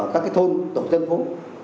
các thôn tổng dân phố